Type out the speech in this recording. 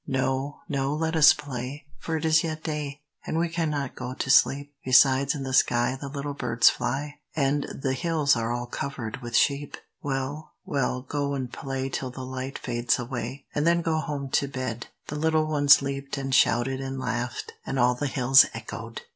"No, no, let us play, for it is yet day, And we cannot go to sleep; Besides in the sky the little birds fly, And the hills are all covered with sheep. "Well, well, go and play till the light fades away, And then go home to bed." The little ones leaped and shouted and laughed; And all the hills echoed.